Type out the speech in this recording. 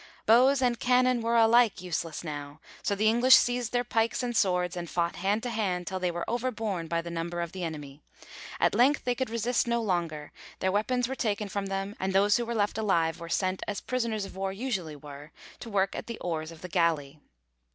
Bows and cannon were alike useless now, so the English seized their pikes and swords, and fought hand to hand till they were overborne by the number of the enemy. At length they could resist no longer; their weapons were taken from them, and those who were left alive were sent, as prisoners of war usually were, to work at the oars of the galley.